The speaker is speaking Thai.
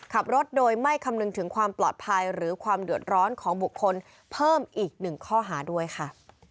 ขับรถโดยไม่คำนึงถึงความปลอดภัยหรือความเดือดร้อนของบุคคลเพิ่มอีกหนึ่งข้อหาด้วยค่ะ